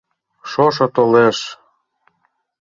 Шошо толеш.